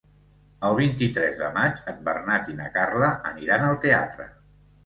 El vint-i-tres de maig en Bernat i na Carla aniran al teatre.